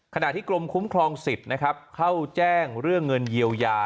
ขณะที่กรมคุ้มครองสิทธิ์นะครับเข้าแจ้งเรื่องเงินเยียวยา